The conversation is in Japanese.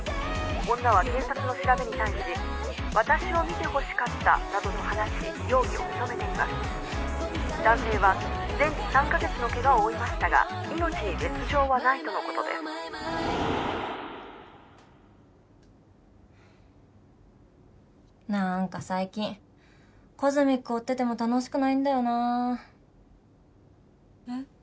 「女は警察の調べに対し私を見てほしかったなどと話し容疑を認「男性は全治３ヵ月のけがを負いましたが命に別状はないとのことです」なんか最近ＣＯＳＭＩＣ追ってても楽しくないんだよなぁえっ？